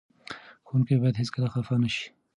ښوونکي باید هېڅکله خفه نه سي.